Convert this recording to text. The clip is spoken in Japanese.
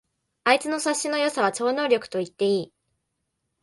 あいつの察しの良さは超能力と言っていい